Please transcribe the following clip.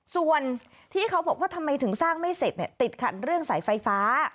ส่วนที่เขาบอกว่าทำไมถึงสร้างไม่เสร็จติดขัดเรื่องสายไฟฟ้า